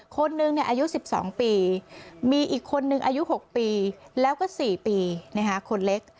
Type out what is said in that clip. คนหนึ่งอายุ๑๒ปีมีอีกคนนึงอายุ๖ปีแล้วก็๔ปีคนเล็ก